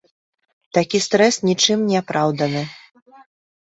Такі стрэс нічым не апраўданы.